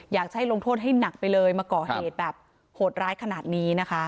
อยากให้ลงโทษให้หนักไปเลยมาก่อเหตุแบบโหดร้ายขนาดนี้นะคะ